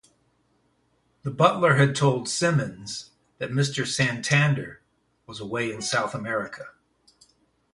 The butler had told Simmonds that Mr Santander was away in South America.